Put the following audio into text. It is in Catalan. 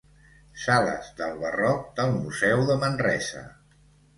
Sales del Barroc del Museu de Manresa.